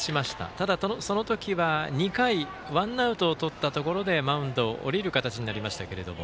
ただ、その時は２回ワンアウトをとったところでマウンドを降りる形になりましたけれども。